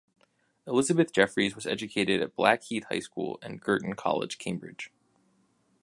Elizabeth Jeffreys was educated at Blackheath High School and Girton College, Cambridge.